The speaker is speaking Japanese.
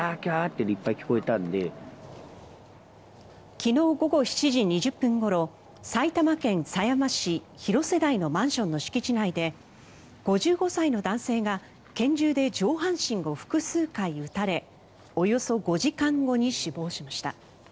昨日午後７時２０分ごろ埼玉県狭山市広瀬台のマンションの敷地内で５５歳の男性が拳銃で上半身を複数回撃たれおよそ５時間後に死亡しました。